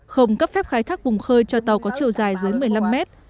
không cấp phép khai thác vùng khơi cho tàu có chiều dài dưới một mươi năm mét